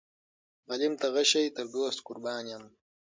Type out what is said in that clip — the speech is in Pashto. غلیم ته غشی تر دوست قربان یم.